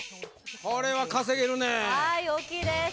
これは稼げるねえはい大きいです